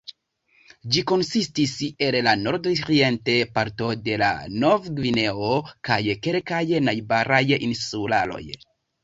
Ĝi konsistis el la nordorienta parto de Novgvineo kaj kelkaj najbaraj insularoj.